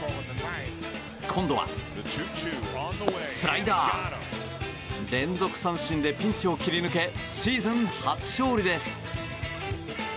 今度は、スライダー！連続三振でピンチを切り抜けシーズン初勝利です。